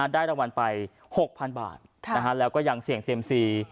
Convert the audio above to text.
ได้รางวัลไป๖๐๐๐บาทแล้วก็ยังเสี่ยงเซียมซี